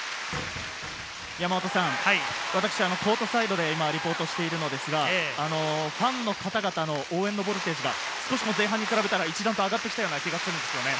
私、コートサイドでリポートしているんですけれども、ファンの方々の応援のボルテージが前半に比べたら一段と上がってきた気がしますね。